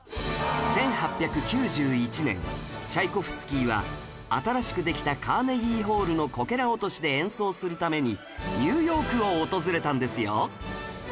１８９１年チャイコフスキーは新しくできたカーネギーホールのこけら落としで演奏するためにニューヨークを訪れたんですよ